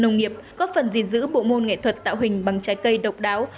các doanh nghiệp góp phần gìn giữ bộ môn nghệ thuật tạo hình bằng trái cây độc đáo